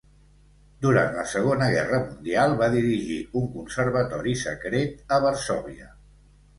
Durant la Segona Guerra Mundial, va dirigir un conservatori secret a Varsòvia.